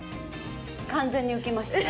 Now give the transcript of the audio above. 完全に浮きましたね。